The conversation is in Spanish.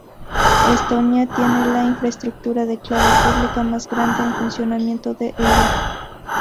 Estonia tiene la infraestructura de clave pública más grande en funcionamiento de Europa.